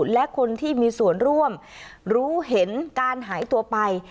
และคนที่มีส่วนร่วมรู้เห็นการหายตัวไป